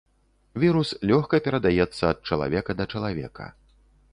Вірус лёгка перадаецца ад чалавека да чалавека.